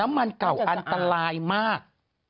มันเก่าอันตรายมาก